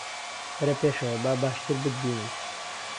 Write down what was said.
وەرە پێشەوە، با باشتر بتبینم